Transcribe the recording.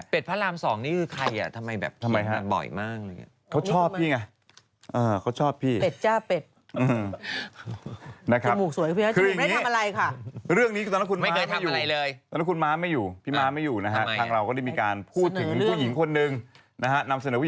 เป็ดพระรามสองนี่คือใครอ่ะทำไมแบบอย่างนั้นบ่อยมาก